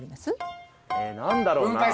え何だろうな？